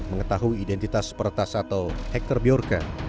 mengetahui identitas peretas atau hekter bjorka